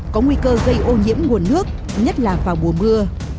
có nguy cơ gây ô nhiễm nguồn nước nhất là vào mùa mưa